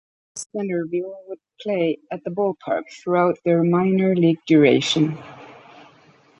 Centreville would play at the ballpark throughout their minor league duration.